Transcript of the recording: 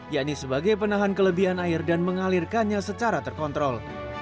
yakni sebagai penahan kelebihan air dan mengalirkannya secara terkontrol